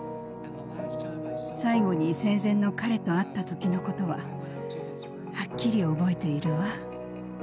最後に生前の彼と会った時のことははっきり覚えているわ。